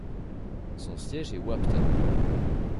Son siège est Wahpeton.